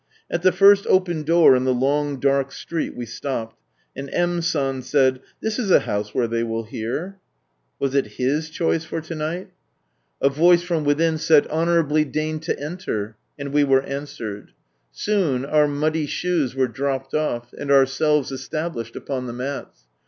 At the first open door in the long dark street we stopped, and M. San said, " This is a house where they will hear." Was it His choice for to night? A voice from within said, '' Honourably deign to enter;" and we were answered. Soon our muddy shoes were dropped off, and ourselves established upon the mats.